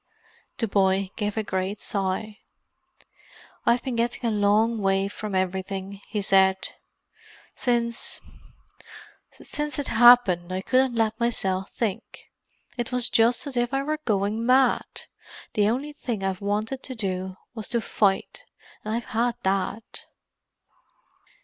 The boy gave a great sigh. "I've been getting a long way from everything," he said. "Since—since it happened I couldn't let myself think: it was just as if I were going mad. The only thing I've wanted to do was to fight, and I've had that."